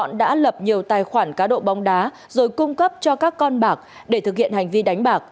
bọn đã lập nhiều tài khoản cá độ bóng đá rồi cung cấp cho các con bạc để thực hiện hành vi đánh bạc